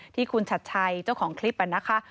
ที่คุณชัดชัยเจ้าของคลิปนะคะ